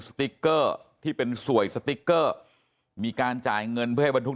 สติ๊กเกอร์ที่เป็นสวยสติ๊กเกอร์มีการจ่ายเงินเพื่อให้บรรทุก